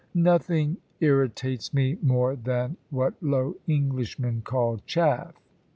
Nothing irritates me more than what low Englishmen call "chaff."